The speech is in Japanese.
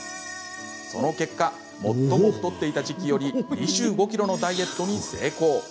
その結果最も太っていた時期より２５ｋｇのダイエットに成功。